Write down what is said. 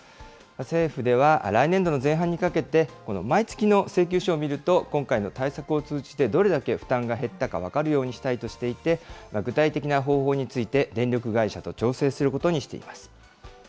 政府では来年度の前半にかけて、この毎月の請求書を見ると、今回の対策を通じてどれだけ負担が減ったか分かるようにしたいとしていて、具体的な方法について電力会社と調整することにしています。